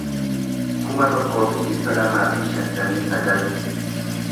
kuma tokkoo fi dhibba lamaa fi shantamii sagal